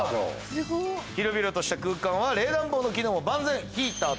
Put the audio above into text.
広々とした空間は冷暖房の機能も万全。